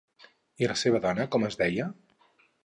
I la seva dona com es deia?